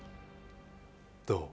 どう？